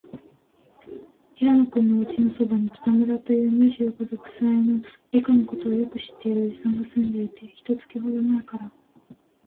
平野君のおうちのそばに、北村という、二十五、六歳の、理科のことをよく知っているおじさんがすんでいて、一月ほどまえから、